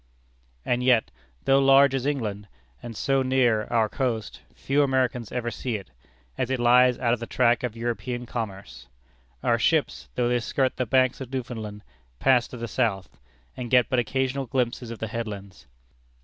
And yet, though large as England, and so near our coast, few Americans ever see it, as it lies out of the track of European commerce. Our ships, though they skirt the Banks of Newfoundland, pass to the south, and get but occasional glimpses of the headlands.